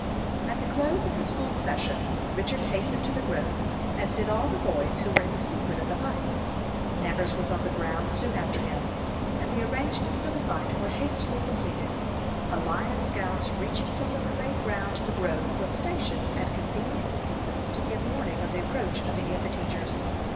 At the close of the school session, Richard hastened to the grove, as did all the boys who were in the secret of the fight. Nevers was on the ground soon after him, and the arrangements for the fight were hastily completed. A line of scouts reaching from the parade ground to the grove was stationed at convenient distances to give warning of the approach of any of the teachers.